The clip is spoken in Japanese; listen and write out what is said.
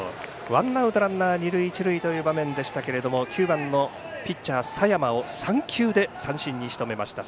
ワンアウトランナー、二塁という場面でしたが９番のピッチャー、佐山を３球で三振にしとめました。